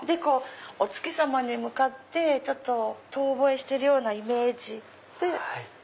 お月さまに向かって遠ぼえしてるようなイメージで。